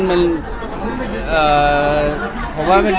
เหมือนหวานแบบจิ้นจิ้น